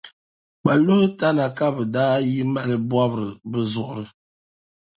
Kpaluhi tana ka bɛ daa yi mali bɔbira bɛ zuɣuri.